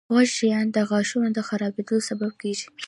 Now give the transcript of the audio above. • خوږ شیان د غاښونو د خرابېدو سبب کیږي.